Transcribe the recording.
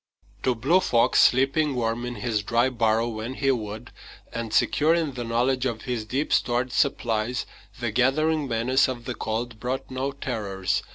To Blue Fox, sleeping warm in his dry burrow when he would, and secure in the knowledge of his deep stored supplies, the gathering menace of the cold brought no terrors.